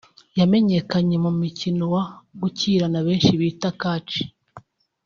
yamenyekanye mu mukino wa gukirana benshi bita catch